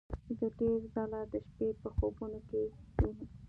زه ډیر ځله د شپې په خوبونو کې وینم